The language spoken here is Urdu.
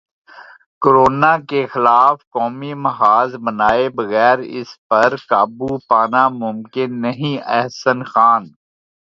کورونا کے خلاف قومی محاذ بنائے بغیر اس پر قابو پانا ممکن نہیں احسن خان